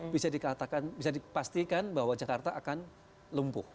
bisa dikatakan bisa dipastikan bahwa jakarta akan lumpuh